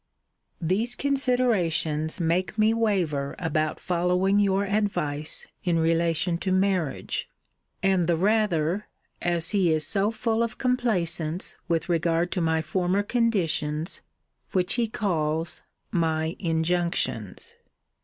These considerations make me waver about following your advice, in relation to marriage; and the rather, as he is so full of complaisance with regard to my former conditions, which he calls my injunctions.